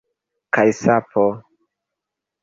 Kaj sapo!